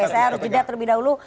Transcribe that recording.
saya harus jeda terlebih dahulu